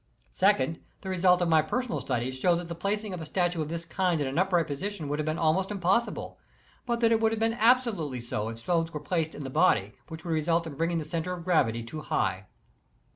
Second, The result of my personal studies shows that the placing of a statue of this kind in an upright position would be almost impossible, but that it would be absolutely so if stones were placed in the body, which would result in bringing the centre of gravity too high.